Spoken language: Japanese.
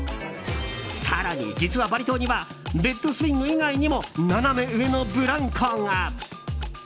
更に、実はバリ島にはベッドスイング以外にもナナメ上のブランコが。